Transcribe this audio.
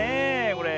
これ。